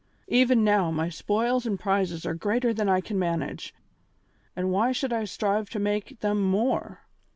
Even now, my spoils and prizes are greater than I can manage, and why should I strive to make them more?